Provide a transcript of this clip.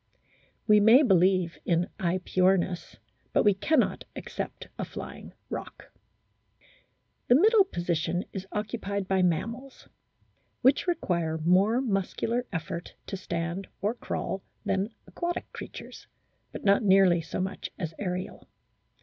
We may believe in /Epyornis, but we cannot accept a flying Roc. The middle position is occupied by mammals, which require more muscular effort to stand or crawl than aquatic creatures, but not nearly so much as aerial.